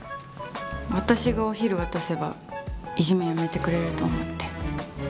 私がお昼渡せばいじめやめてくれると思って。